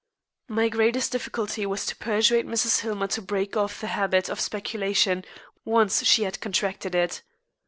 My greatest difficulty was to persuade Mrs. Hillmer to break off the habit of speculation once she had contracted it.